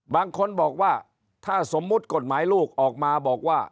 บางคนบอกว่าถ้าสมมุติกฎหมายลูกออกมาบอกว่า